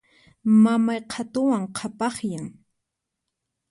Mamay qhatuwan qhapaqyan.